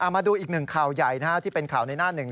มาดูอีกหนึ่งข่าวใหญ่ที่เป็นข่าวในหน้าหนึ่ง